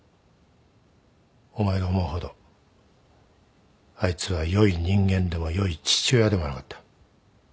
お前が思うほどあいつは良い人間でも良い父親でもなかった。